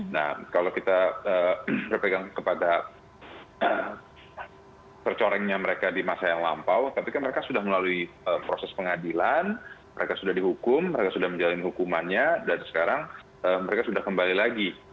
nah kalau kita berpegang kepada tercorengnya mereka di masa yang lampau tapi kan mereka sudah melalui proses pengadilan mereka sudah dihukum mereka sudah menjalani hukumannya dan sekarang mereka sudah kembali lagi